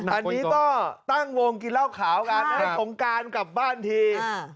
อันนี้ก็ตั้งวงกินเหล้าขาวกันให้สงการกลับบ้านที